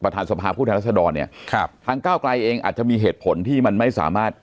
ประธานศพาผู้ทัยรัศดรเนี่ยทางก้าวกลายเองอาจจะมีเหตุผลที่มันไม่สามารถ